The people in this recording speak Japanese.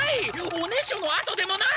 おねしょのあとでもない！